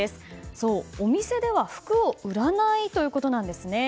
そう、お店では服を売らないということなんですね。